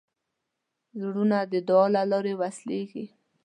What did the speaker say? زړونه د دعا له لارې وصلېږي.